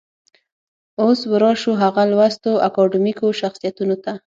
اوس به راشو هغه لوستو اکاډمیکو شخصيتونو ته.